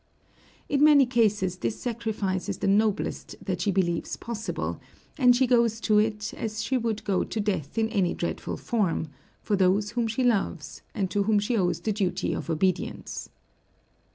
In many cases this sacrifice is the noblest that she believes possible, and she goes to it, as she would go to death in any dreadful form, for those whom she loves, and to whom she owes the duty of obedience.